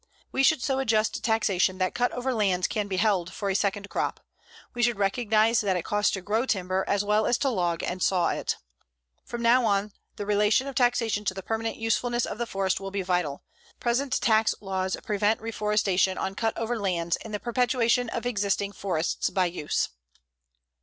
We should so adjust taxation that cut over lands can be held for a second crop. We should recognize that it costs to grow timber as well as to log and saw it. From now on the relation of taxation to the permanent usefulness of the forest will be vital. Present tax laws prevent reforestation on cut over lands and the perpetuation of existing forests by use.